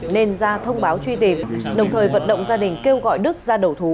nên ra thông báo truy tìm đồng thời vận động gia đình kêu gọi đức ra đầu thú